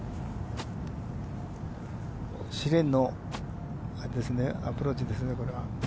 試練のアプローチですね、これは。